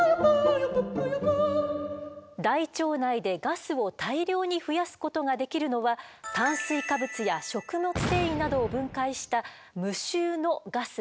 大腸内でガスを大量に増やすことができるのは炭水化物や食物繊維などを分解した無臭のガスだけです。